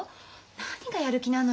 何がやる気なのよ。